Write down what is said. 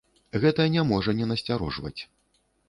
Гэта не можа не насцярожваць.